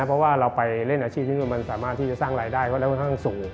เพราะว่าเราไปเล่นอาชีพนี้มันสามารถที่จะสร้างรายได้เขาได้ค่อนข้างสูง